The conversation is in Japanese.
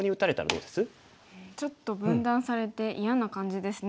うんちょっと分断されて嫌な感じですね